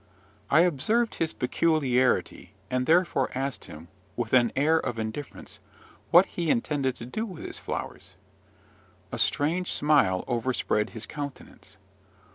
I observed his peculiarity, and therefore asked him, with an air of indifference, what he intended to do with his flowers. A strange smile overspread his countenance.